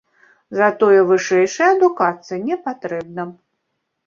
Затое вышэйшая адукацыя не патрэбна.